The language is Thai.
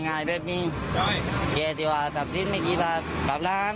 อยากให้ตีหัวไอ้ตายเลยอยากให้ประหาร